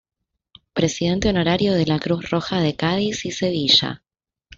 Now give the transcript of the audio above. Presidente honorario de la Cruz Roja de Cádiz y Sevilla.